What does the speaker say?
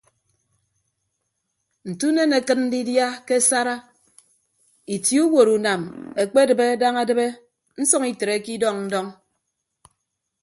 Nte unen akịt ndidia ke asara itie uwotunam ekpedịbe daña edịbe nsʌñ itreke idọñ ndọñ.